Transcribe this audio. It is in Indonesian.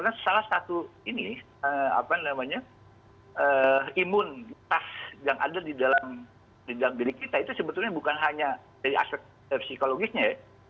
karena salah satu ini apa namanya imunitas yang ada di dalam diri kita itu sebetulnya bukan hanya dari aspek psikologisnya ya